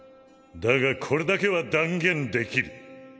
だがこれだけは断言できる。